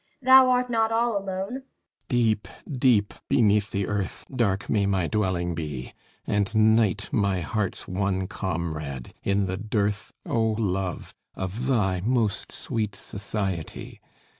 Thou art not all alone. THESEUS Deep, deep beneath the Earth, Dark may my dwelling be, And night my heart's one comrade, in the dearth, O Love, of thy most sweet society.